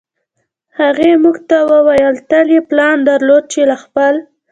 هغې موږ ته وویل تل یې پلان درلود چې له خپل